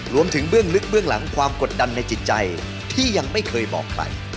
เบื้องลึกเบื้องหลังความกดดันในจิตใจที่ยังไม่เคยบอกใคร